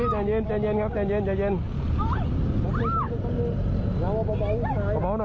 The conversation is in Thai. ใจเย็น